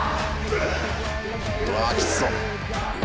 うわぁきつそう。